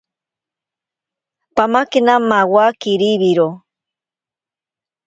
Pamakena mawa kiriwiro.